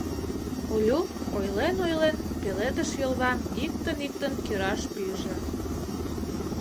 — Олю, ойлен-ойлен, пеледыш йолвам иктын-иктын кӱраш пиже.